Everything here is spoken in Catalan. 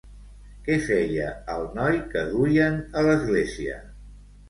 Què feia el noi que duien a l'església?